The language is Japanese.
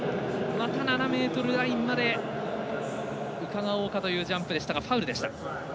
また７ｍラインまでうかがおうかというジャンプでしたがファウルでした。